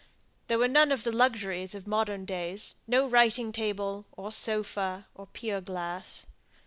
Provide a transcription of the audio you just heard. There were none of the luxuries of modern days; no writing table, or sofa, or pier glass.